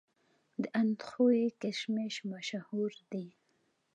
د اندخوی کشمش مشهور دي